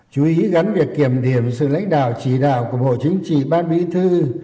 chú ý gắn việc kiểm điểm sự lãnh đạo chỉ đạo của bộ chính trị ban bí thư